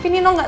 nino tau gak